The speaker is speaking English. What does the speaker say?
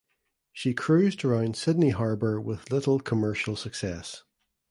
She cruised around Sydney Harbour with little commercial success.